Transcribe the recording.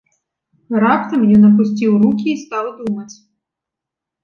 Раптам ён апусціў рукі і стаў думаць.